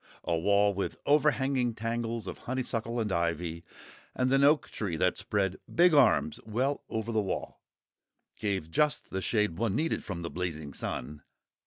A wall with overhanging tangles of honeysuckle and ivy, and an oak tree that spread big arms well over the wall, gave just the shade one needed from the blazing sun.